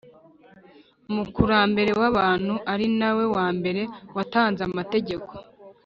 umukurambere w’abantu ari na we wa mbere watanze amategeko